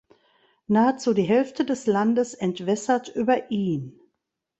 Nahezu die Hälfte des Landes entwässert über ihn.